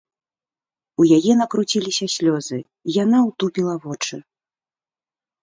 У яе накруціліся слёзы, яна ўтупіла вочы.